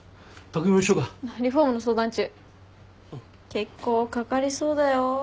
結構かかりそうだよ。